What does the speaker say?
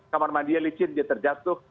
atau kamar mandi yang licin dia terjatuh